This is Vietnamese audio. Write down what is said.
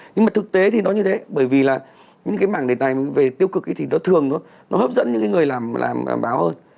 nhưng mà thực tế thì nó như thế bởi vì là những cái mảng đề tài về tiêu cực thì nó thường nó hấp dẫn những cái người làm báo hơn